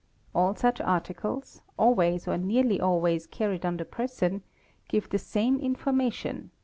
All such articles, always or nearly always | carried on the person, give the same information, e.